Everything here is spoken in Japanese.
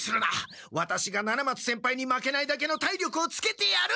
ワタシが七松先輩に負けないだけの体力をつけてやる！